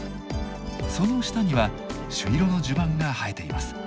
その下には朱色のじゅばんが映えています。